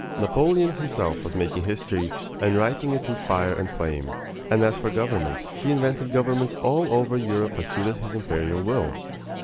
Napoleon, himself, was making history, and writing it in fire and flame; and as for governments, he invented governments all over Europe as suited his imperial will.